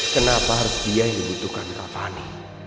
kenapa harus dia yang membutuhkan kak fani